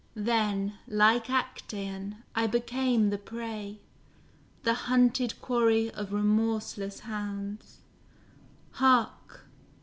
Then, like Actæon I became the prey, The hunted quarry of remorseless hounds; Hark!